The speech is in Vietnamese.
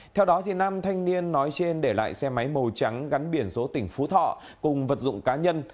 theo đó nam thanh niên nói trên để lại xe máy màu trắng gắn biển số tỉnh phú thọ cùng vật dụng cá nhân